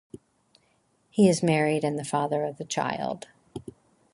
He is married and the father of child.